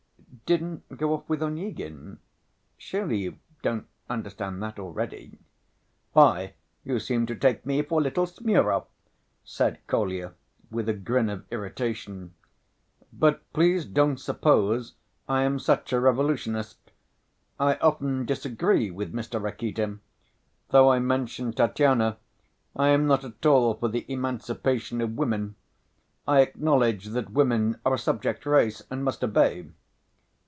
"Didn't go off with Onyegin? Surely you don't ... understand that already?" "Why, you seem to take me for little Smurov," said Kolya, with a grin of irritation. "But please don't suppose I am such a revolutionist. I often disagree with Mr. Rakitin. Though I mention Tatyana, I am not at all for the emancipation of women. I acknowledge that women are a subject race and must obey.